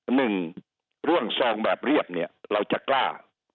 หนึ่งเรื่องซองแบบเรียบเนี่ยเราจะกล้า